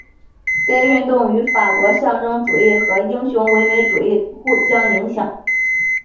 该运动与法国象征主义和英国唯美主义相互影响。